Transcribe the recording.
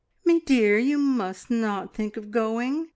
"Me dear, you must not think of going!